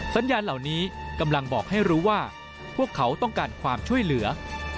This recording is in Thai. สัญญาณเหล่านี้กำลังบอกให้รู้ว่าพวกเขาต้องการความช่วยเหลือ